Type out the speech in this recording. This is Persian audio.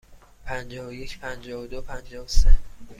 پنجاه و یک، پنجاه و دو، پنجاه و سه.